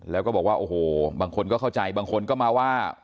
แล้วก็บอกว่าโอ้โหบางคนก็เข้าใจบางคนก็มาว่า